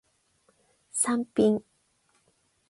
サンピン